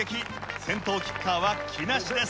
先頭キッカーは木梨です。